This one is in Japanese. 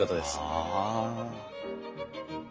ああ。